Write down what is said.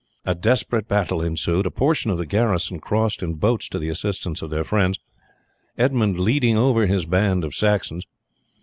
A desperate battle ensued. A portion of the garrison crossed in boats to the assistance of their friends, Edmund leading over his band of Saxons.